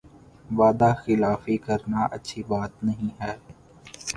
وعدہ خلافی کرنا اچھی بات نہیں ہے